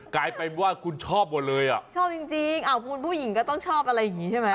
กลายเป็นว่าคุณชอบหมดเลยอ่ะชอบจริงจริงอ้าวคุณผู้หญิงก็ต้องชอบอะไรอย่างนี้ใช่ไหม